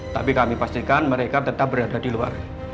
tapi kami pastikan mereka tetap berada di luar